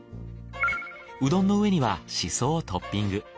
うどんの上にはしそをトッピング。